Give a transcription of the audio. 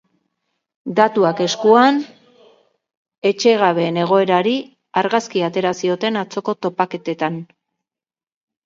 Datuak eskuan, etxegabeen egoerari argazkia atera zioten atzoko topaketetan.